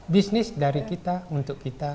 bisnis dari kita untuk kita